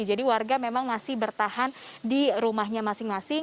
jadi warga memang masih bertahan di rumahnya masing masing